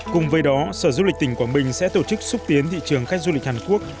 cùng với đó sở du lịch tỉnh quảng bình sẽ tổ chức xúc tiến thị trường khách du lịch hàn quốc